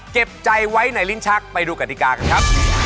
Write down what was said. เก็บใจไว้ในลิ้นชักไปดูกฎิกากันครับ